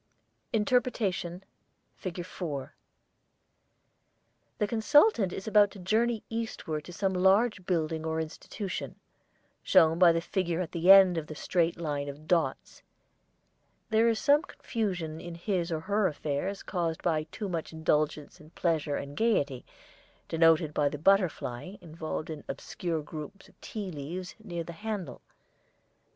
INTERPRETATION FIG. 4 The consultant is about to journey eastward to some large building or institution, shown by the figure at the end of the straight line of dots. There is some confusion in his or her affairs caused by too much indulgence in pleasure and gaiety, denoted by the butterfly involved in obscure groups of tea leaves near the handle.